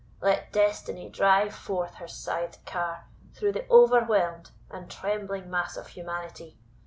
Let Destiny drive forth her scythed car through the overwhelmed and trembling mass of humanity!